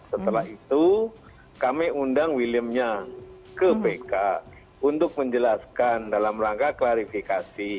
setelah itu kami undang williamnya ke pk untuk menjelaskan dalam rangka klarifikasi